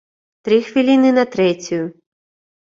Тры хвіліны на трэцюю.